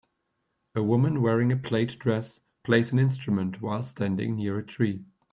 A woman wearing a plaid dress plays an instrument while standing near a tree.